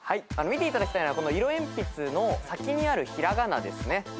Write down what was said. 見ていただきたいのはこの色鉛筆の先にある平仮名ですね。